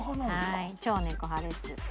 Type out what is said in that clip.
はい超猫派です。